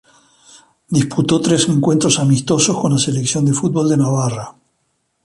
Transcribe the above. Disputó tres encuentros amistosos con la selección de fútbol de Navarra.